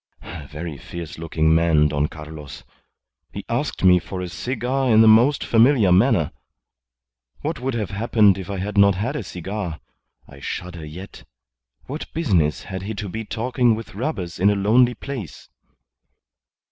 A very fierce looking man, Don Carlos. He asked me for a cigar in a most familiar manner. What would have happened if I had not had a cigar? I shudder yet. What business had he to be talking with robbers in a lonely place?"